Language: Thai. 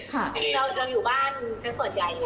เราอยู่บ้านชั้นสดใจเลย